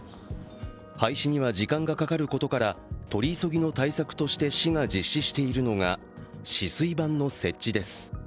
廃止には時間がかかることから取り急ぎの対策として市が実施しているのが止水板の設置です。